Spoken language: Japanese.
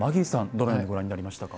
どのようにご覧になりましたか？